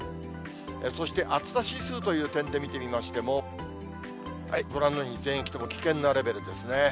そして暑さ指数という点で見てみましても、ご覧のように全域とも危険なレベルですね。